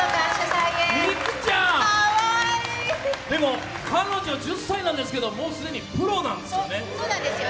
美空ちゃん、彼女１０歳なんですけどもう既にプロなんですよね。